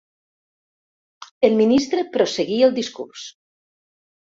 El ministre prosseguí el discurs.